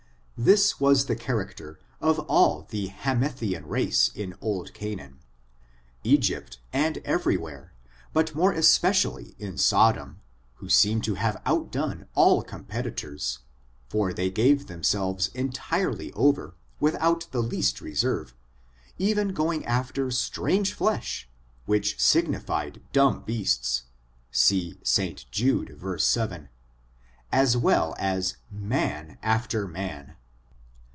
This was the char acter of all the Hamethian race in old Canaan. Egypt, and every where, but more especially in Sod om, who seem to have outdone all competitors, for they gave themselves entirely over, without the least reserve, even going after ^' strange flesh" which sig nified dumb beasts [see St. Jude, verse 7], as well as man after man.